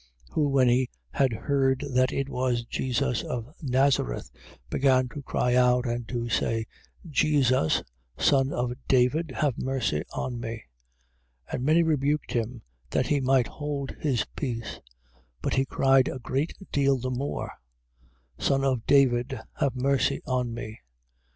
10:47. Who when he had heard that it was Jesus of Nazareth, began to cry out and to say: Jesus, Son of David, have mercy on me. 10:48. And many rebuked him, that he might hold his peace; but he cried a great deal the more: Son of David, have mercy on me.